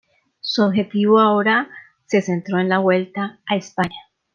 Su objetivo ahora, se centró en la Vuelta a España.